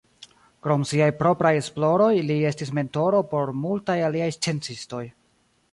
Krom siaj propraj esploroj, li estis mentoro por multaj aliaj sciencistoj.